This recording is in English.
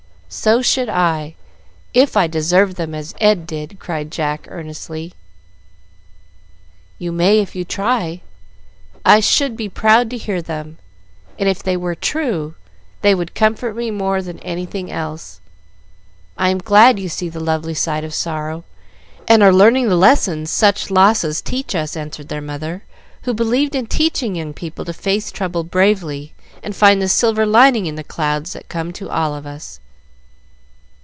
"So should I, if I deserved them as Ed did!" cried Jack, earnestly. "You may if you try. I should be proud to hear them, and if they were true, they would comfort me more than anything else. I am glad you see the lovely side of sorrow, and are learning the lesson such losses teach us," answered their mother, who believed in teaching young people to face trouble bravely, and find the silver lining in the clouds that come to all of us.